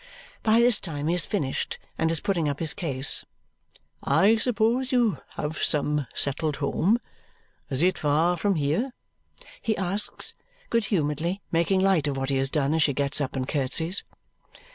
By this time he has finished and is putting up his case. "I suppose you have some settled home. Is it far from here?" he asks, good humouredly making light of what he has done as she gets up and curtsys.